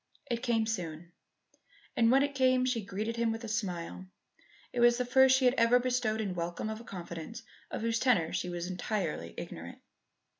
It came soon, and when it came she greeted him with a smile. It was the first she had ever bestowed in welcome of a confidence of whose tenor she was entirely ignorant.